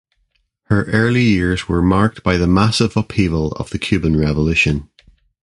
Her early years were marked by the massive upheaval of the Cuban Revolution.